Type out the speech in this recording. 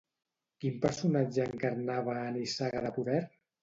Quin personatge encarnava a Nissaga de poder?